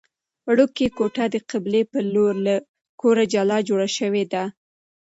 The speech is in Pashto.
وړوکې کوټه د قبلې په لور له کوره جلا جوړه شوې ده.